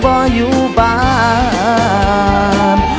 มีต่ำระบ